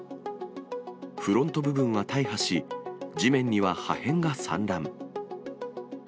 フロント部分は大破し、地面には破片が散乱。